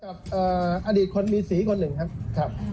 กับอดีตคนมีสีคนหนึ่งครับ